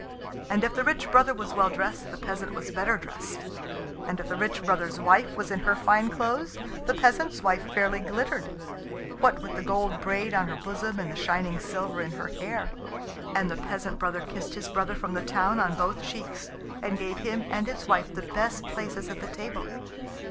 And if the rich brother was well dressed, the peasant was better dressed; and if the rich brother's wife was in her fine clothes, the peasant's wife fairly glittered what with the gold braid on her bosom and the shining silver in her hair. And the peasant brother kissed his brother from the town on both cheeks, and gave him and his wife the best places at the table.